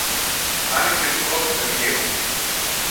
άνοιξε δικό του συνεργείο.